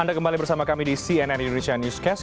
anda kembali bersama kami di cnn indonesia newscast